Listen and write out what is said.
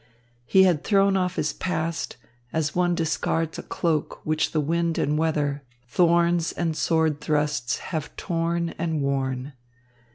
He had thrown off his past as one discards a cloak which the wind and weather, thorns and sword thrusts have torn and worn.